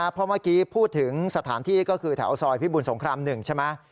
เพราะเมื่อกี้พูดถึงสถานที่ก็คือแถวซอยพิบุญสงคราม๑ใช่ไหม